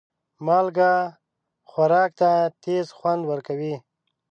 مالګه خوراک ته تیز خوند ورکوي.